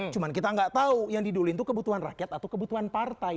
cuma kita nggak tahu yang didulin itu kebutuhan rakyat atau kebutuhan partai